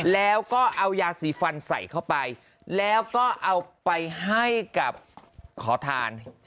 แล้วก็เอายาสีฟันใส่เข้าไปแล้วก็เอาไปให้กับขอทาน